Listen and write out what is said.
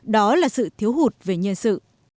đó là sự thiếu hụt về nhân sự